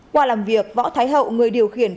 qua làm việc võ thái hậu người điều kiện